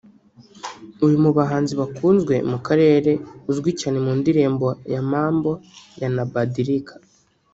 uri mu bahanzi bakunzwe mu karere uzwi cyane mu ndirimbo “Mambo yanabadilika”